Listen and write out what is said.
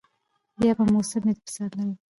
بیا به موسم وي د پسرلیو